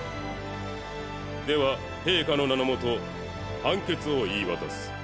では陛下の名の下判決を言い渡す。